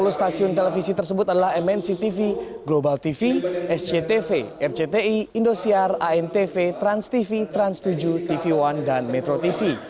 sepuluh stasiun televisi tersebut adalah mnctv global tv sctv rcti indosiar antv transtv trans tujuh tv one dan metro tv